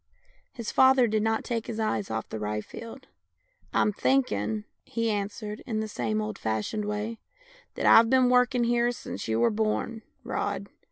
His father did not take his eyes off the rye field. "I'm thinking," he answered, in the same old fashioned way, " that I've been working here since you were born. Rod.